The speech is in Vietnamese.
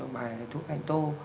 bài thuốc hành tô